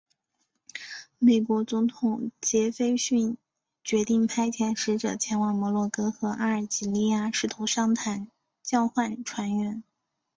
美国总统杰斐逊决定派遣使者前往摩洛哥和阿尔及利亚试图商谈交换船员。